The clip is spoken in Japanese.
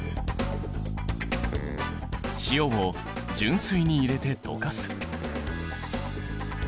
塩を純水に入れて溶かす。